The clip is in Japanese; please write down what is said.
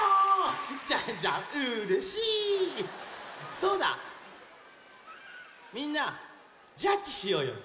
そうだみんなジャッチしようよ。